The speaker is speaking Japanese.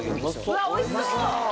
うわっ美味しそう！